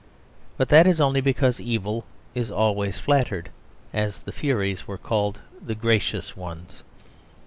But that is only because evil is always flattered, as the Furies were called "The Gracious Ones."